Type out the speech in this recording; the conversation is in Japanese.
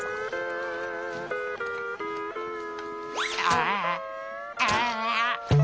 ああ。